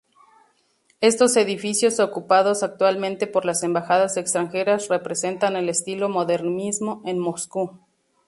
Estos edificios, ocupados actualmente por las embajadas extranjeras, representan el estilo modernismo en Moscú.